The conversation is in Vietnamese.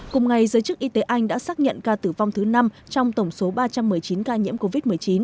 cùng ngày giới chức y tế anh đã xác nhận ca tử vong thứ năm trong tổng số ba trăm một mươi chín ca nhiễm covid một mươi chín